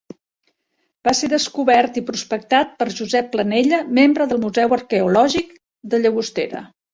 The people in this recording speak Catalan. Va ser descobert i prospectat per Josep Planella, membre del Museu Arqueològic de Llagostera.